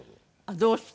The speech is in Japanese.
どうして？